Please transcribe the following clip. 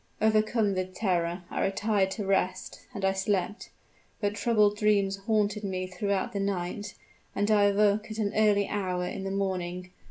Overcome with terror, I retired to rest and I slept. But troubled dreams haunted me throughout the night, and I awoke at an early hour in the morning.